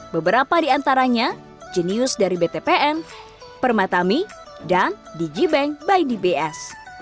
beberapa di antaranya genius dari btpn permatami dan digibank by dbs